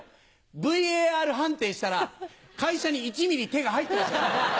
ＶＡＲ判定したら会社に１ｍｍ手が入ってましたよ。